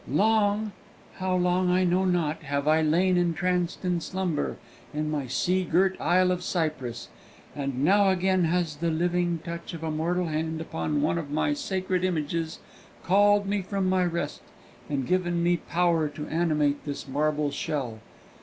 Long how long I know not have I lain entranced in slumber in my sea girt isle of Cyprus, and now again has the living touch of a mortal hand upon one of my sacred images called me from my rest, and given me power to animate this marble shell.